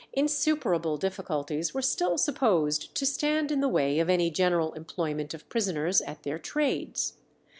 Insuperable difficulties were still supposed to stand in the way of any general employment of prisoners at their trades.